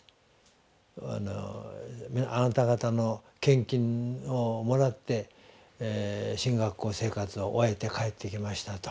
「あなた方の献金をもらって神学校生活を終えて帰ってきました」と。